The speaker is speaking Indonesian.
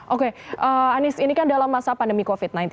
oke anies ini kan dalam masa pandemi covid sembilan belas